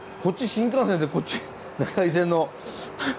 新幹線でこっち長井線の。